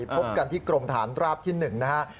พบกันที่กรมฐานราบที่๑นะครับ